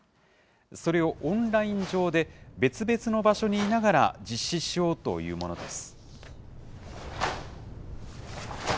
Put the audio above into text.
それをオンライン上で別々の場所にいながら実施しようというものです。